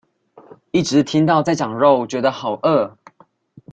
一直聽到在講肉覺得好餓